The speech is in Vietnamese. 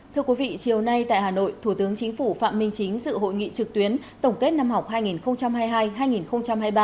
thưa quý vị chiều nay tại hà nội thủ tướng chính phủ phạm minh chính dự hội nghị trực tuyến tổng kết năm học hai nghìn hai mươi hai hai nghìn hai mươi ba